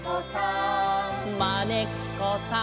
「まねっこさん」